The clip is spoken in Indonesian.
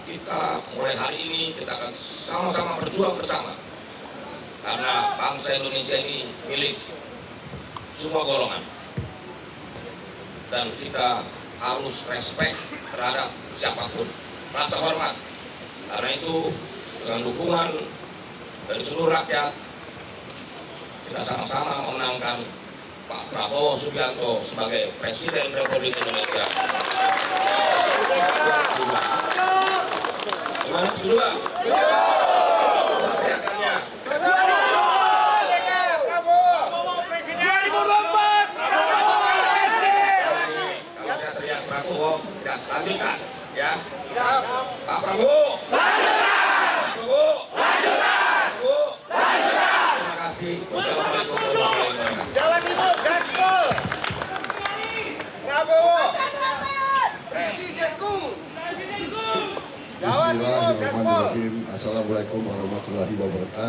kita lihat itu bahas soal apa ya pak